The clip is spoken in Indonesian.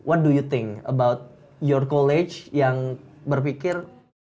apa lo pikir tentang kelas lo yang berpikir